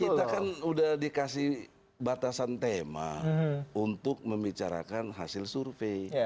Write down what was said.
kita kan udah dikasih batasan tema untuk membicarakan hasil survei